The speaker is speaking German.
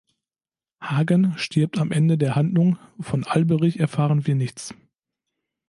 Hagen stirbt am Ende der Handlung, von Alberich erfahren wir nichts weiter.